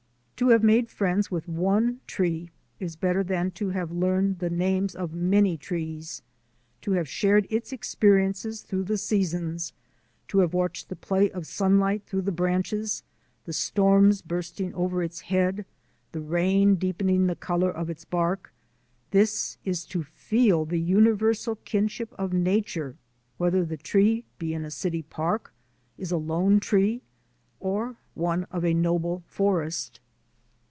To have made friends with one tree is better than to have learned the names of many trees. To have shared its experiences through the seasons, to have watched the play of sunlight through the branches, the storms bursting over its head, the rain deepening the colour of its bark — this is to feel the universal kinship of nature whether the tree be in a city park, is a lone tree, or one of a noble forest.